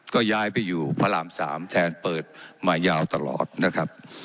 ก็ย้ายไปอยู่พระราม๓แทนเปิดมายาวตลอดนะครับ